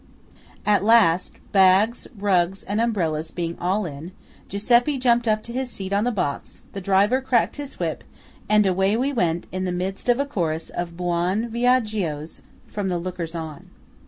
At last, bags, rugs, and umbrellas being all in, Giuseppe jumped up to his seat on the box, the driver cracked his whip, and away we went in the midst of a chorus of "buon viaggios" from the lookers on.